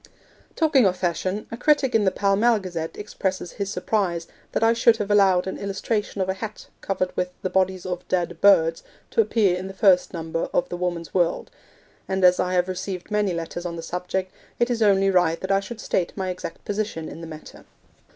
Talking of Fashion, a critic in the Pall Mall Gazette expresses his surprise that I should have allowed an illustration of a hat, covered with 'the bodies of dead birds,' to appear in the first number of the Woman's World; and as I have received many letters on the subject, it is only right that I should state my exact position in the matter.